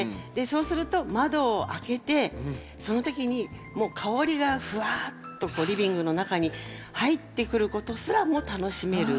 そうすると窓を開けてその時にもう香りがふわっとこうリビングの中に入ってくることすらも楽しめる。